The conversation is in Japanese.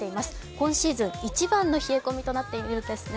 今シーズン一番の冷え込みとなっているんですね。